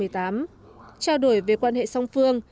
trao đổi về quan hệ song phương